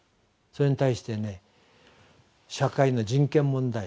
それに対してね社会の人権問題